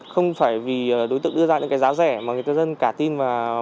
không phải vì đối tượng đưa ra những giá rẻ mà người dân cả tin